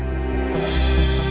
saya melihat puran